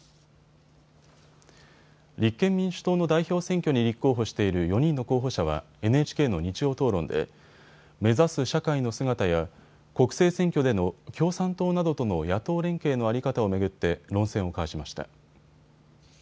立憲民主党の代表選挙に立候補している４人の候補者はＮＨＫの日曜討論で目指す社会の姿や国政選挙での共産党などとの野党連携の在り方を巡って論戦を交わしました。